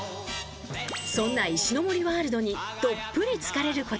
そんな石ノ森ワールドにどっぷりつかれる